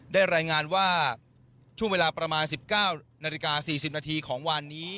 รายงานว่าช่วงเวลาประมาณ๑๙นาฬิกา๔๐นาทีของวันนี้